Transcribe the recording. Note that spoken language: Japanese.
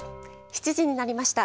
７時になりました。